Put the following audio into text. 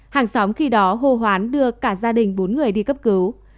hàng xóm khi đó hô hoán đưa cả gia đình bốn người đi cấp cứu